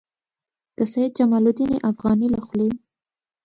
د سید جمال الدین افغاني له خولې.